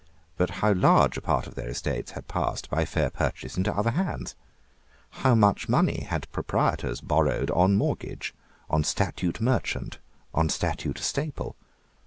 But how large a part of their estates had passed, by fair purchase, into other hands! How much money had proprietors borrowed on mortgage, on statute merchant, on statute staple!